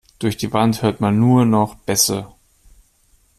Durch die Wand hört man nur noch Bässe.